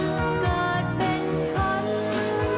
ฟ้าฟ้ายังต้องมีฝน